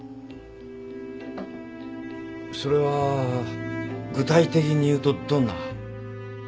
それは具体的に言うとどんな？